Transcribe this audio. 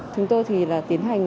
chúng tôi thì là tiến hành